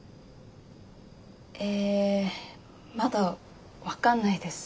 えまだ分かんないです。